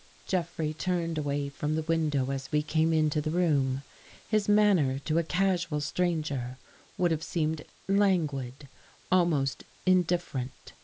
Jeffrey turned away from the window as we came into the room. His manner, to a casual stranger, would have seemed languid, almost indifferent.